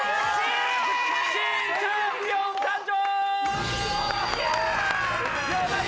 新チャンピオン誕生！